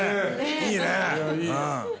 いいね！